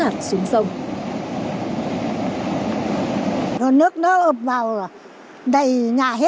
những cơn mưa lớn dài ngày